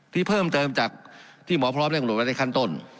ที่เพิ่มเติมจากที่หมอพร้อมเรียกตำรวจไว้ในขั้นต้น